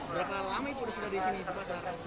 berapa lama itu sudah di sini